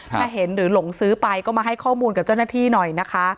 ถ้าเห็นหรือหลงซื้อไปก็มาให้ข้อมูลกับเจ้าหน้าที่หน่อยนะคะ